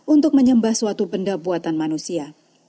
untuk menyembah suatu benda buatan manusia